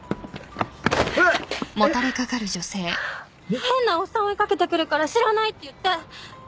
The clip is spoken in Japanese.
変なおっさん追い掛けてくるから「知らない」って言って！